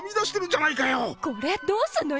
「これ、どうすんのよ」。